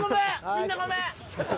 みんなごめん！